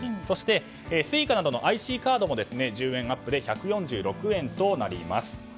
そしてＳｕｉｃａなどのＩＣカードも１０円アップで１４６円となります。